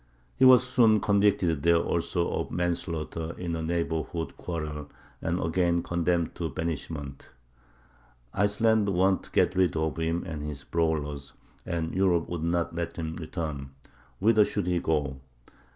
He was soon convicted there also of manslaughter in a neighborhood quarrel, and again condemned to banishment. Iceland wanted to get rid of him and his brawlers, and Europe would not let him return. Whither should he go?